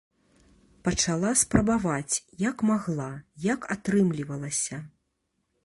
Пачала спрабаваць, як магла, як атрымлівалася.